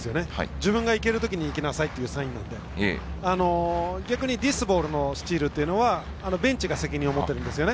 自分がいけるときにいきなさいというサインなので逆にディスボールのスチールというのはベンチが責任を持っているんですよね。